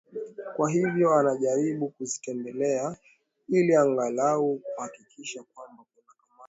kwa hivo anajaribu kuzitembelea ili angalao kuhakikisha kwamba kuna amani